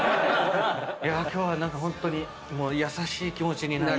今日は何かホントにもう優しい気持ちに。